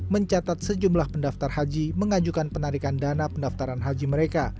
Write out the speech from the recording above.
mencatat sejumlah pendaftar haji mengajukan penarikan dana pendaftaran haji mereka